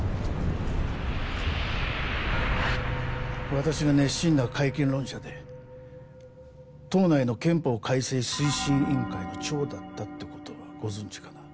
私が熱心な改憲論者で党内の憲法改正推進委員会の長だったって事はご存じかな？